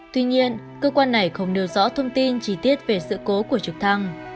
tuy nhiên cơ quan này không nêu rõ thông tin chi tiết về sự cố của trực thăng